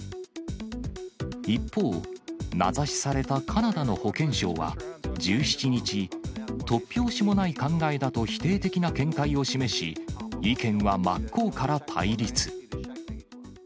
一方、名指しされたカナダの保健相は、１７日、突拍子もない考えだと否定的な見解を示し、意見は真っ向から対立。